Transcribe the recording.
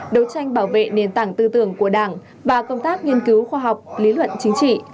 đấu tranh bảo vệ nền tảng tư tưởng của đảng và công tác nghiên cứu khoa học lý luận chính trị